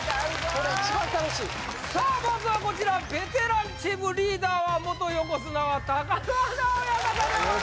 これ一番楽しいさあまずはこちらベテランチームリーダーは元横綱は貴乃花親方でございます